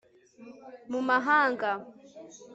mu mahanga '